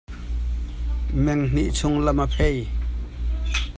Meng hnih chung lam a phei.